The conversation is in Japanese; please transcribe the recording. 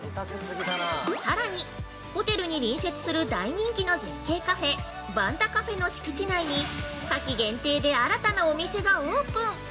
◆さらにホテルに隣接する大人気の絶景カフェバンタカフェの敷地内に、夏季限定で新たなお店がオープン。